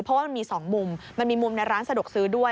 เพราะว่ามันมี๒มุมมันมีมุมในร้านสะดวกซื้อด้วย